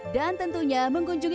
dan tentunya mengunjungi